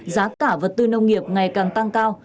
giá cả vật tư nông nghiệp ngày càng tăng cao